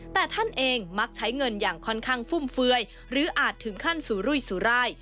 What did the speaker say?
แต่ท่านเองมักใช้เงินอย่างค่อนข้างฟุ่มเฟือยหรืออาจถึงขั้นสุรุยสุราย